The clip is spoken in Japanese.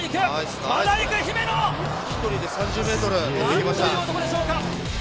何という男でしょうか！